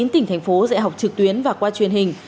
một mươi chín tỉnh thành phố sẽ học trực tuyến và qua truyền hình